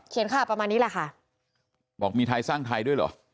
ข่าวประมาณนี้แหละค่ะบอกมีไทยสร้างไทยด้วยเหรอ